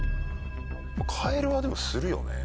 カエルはでもするよね。